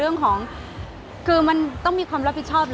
คือบอกเลยว่าเป็นครั้งแรกในชีวิตจิ๊บนะ